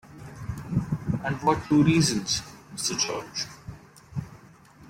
And what two reasons, Mr. George?